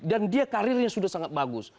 dan dia karirnya sudah sangat bagus